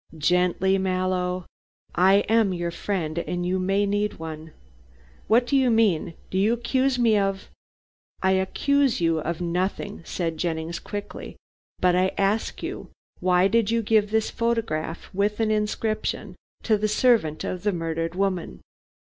"Gently, Mallow, I am your friend, and you may need one." "What do you mean. Do you accuse me of " "I accuse you of nothing," said Jennings quickly, "but I ask you, why did you give this photograph, with an inscription, to the servant of the murdered woman."